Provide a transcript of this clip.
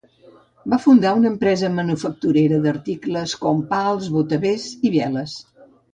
Va fundar una empresa manufacturera d"articles com pals, botavares i veles.